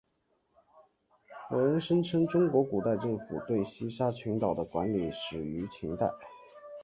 有人声称中国古代政府对西沙群岛的管理始于秦代。